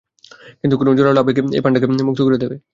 কিন্তু কোনো জোরালো আবেগ এই পান্ডাকে মুক্ত করে দেবে।